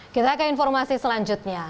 kita ke informasi selanjutnya